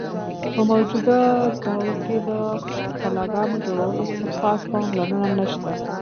په موجوده دور کښې د قلاګانو جوړولو څۀ خاص پام لرنه نشته۔